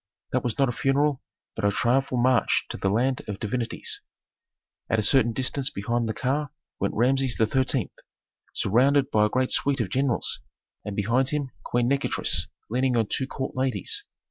That was not a funeral, but a triumphal march to the land of divinities. At a certain distance behind the car went Rameses XIII., surrounded by a great suite of generals, and behind him Queen Nikotris leaning on two court ladies.